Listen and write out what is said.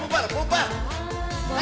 bupar bupar bupar